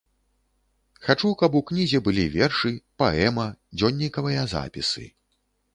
Хачу, каб у кнізе былі вершы, паэма, дзённікавыя запісы.